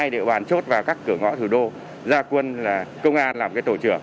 hai mươi hai địa bàn chốt vào các cửa ngõ thủ đô ra quân là công an làm cái tổ trưởng